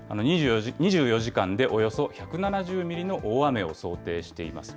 ２４時間でおよそ１７０ミリの大雨を想定しています。